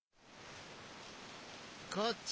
こっち！